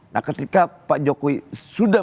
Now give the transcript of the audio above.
nah ketika pak jokowi sudah